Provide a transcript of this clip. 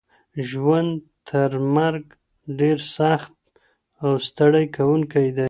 ژوند تر مرګ ډیر سخت او ستړی کوونکی دی.